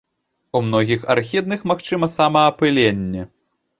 У многіх архідных магчыма самаапыленне.